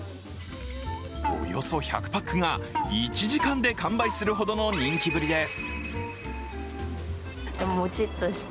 およそ１００パックが１時間で完売するほどの人気ぶりです。